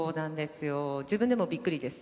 自分でもびっくりです。